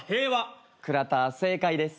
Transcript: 倉田正解です。